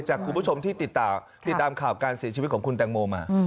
คุณผู้ชมที่ติดตามติดตามข่าวการเสียชีวิตของคุณแตงโมมา